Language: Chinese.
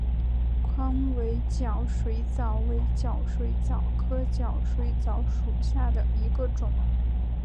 宽尾角水蚤为角水蚤科角水蚤属下的一个种。